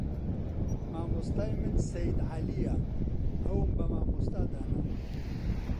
مامۆستای من سەید عەلیە ئەوم بە مامۆستا دانا